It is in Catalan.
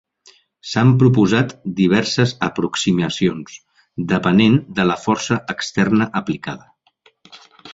S'han proposat diverses aproximacions, depenent de la força externa aplicada.